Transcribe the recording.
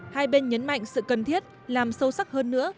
hai bên nhấn mạnh sự cần thiết làm sâu sắc hơn nữa